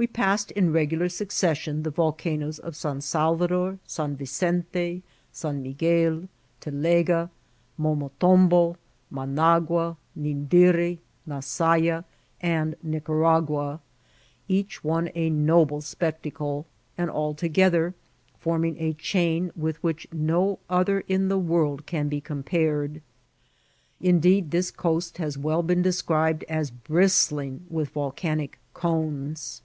We passed in regular succession the Yolcanoes of San Salvador, San Vicente, San Miguel, Telega, Momotom* bo, Managua, Nindiri, Masaya, and Nicaragua, each one a noble spectacle, and all together forming a chain widi which no other in th^ world can be compared ; indeed, this coast has well bemi described as "bristling with volcanic cones.''